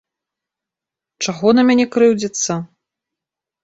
Чаго на мяне крыўдзіцца?